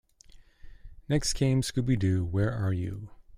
Next came Scooby-Doo, Where Are You!